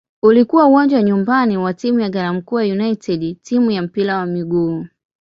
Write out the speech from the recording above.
Ulikuwa uwanja wa nyumbani wa timu ya "Garankuwa United" timu ya mpira wa miguu.